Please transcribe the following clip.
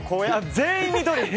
全員緑！